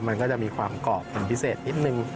มันก็จะมีความกรอบเป็นพิเศษนิดนึง